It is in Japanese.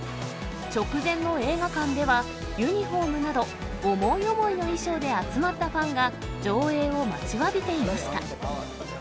直前の映画館ではユニホームなど、思い思いの衣装で集まったファンが上映を待ちわびていました。